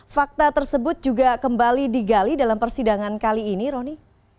fakta tersebut juga kembali digali dalam persidangan kali ini roni